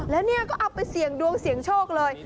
แล้วเนี่ยก็เอาไปเสี่ยงดวงเสี่ยงโชคเลย